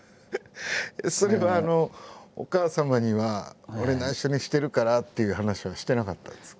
それはお母様には「俺ないしょにしてるから」っていう話はしてなかったんですか？